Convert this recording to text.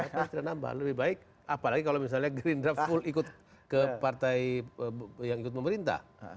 tidak nambah lebih baik apalagi kalau misalnya gerindra full ikut ke partai yang ikut pemerintah